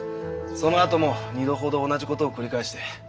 そのあとも二度ほど同じ事を繰り返して。